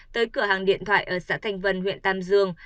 tới cửa hàng điện thoại ở xã thanh vân huyện tam dương